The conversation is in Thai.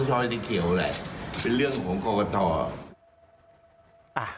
สอชอจะเขียวแหละเป็นเรื่องของของกรกฎธร